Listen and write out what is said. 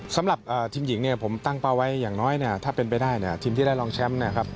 สำหรับทีมหญิงเนี่ยผมตั้งเป้าไว้อย่างน้อยเนี่ยถ้าเป็นไปได้เนี่ยทีมที่ได้รองแชมป์นะครับ